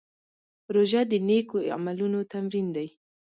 روژه د نېکو عملونو تمرین دی.